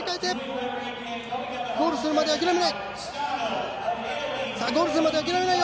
ゴールするまで諦めない！